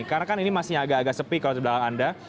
karena kan ini masih agak agak sepi kalau di belakang anda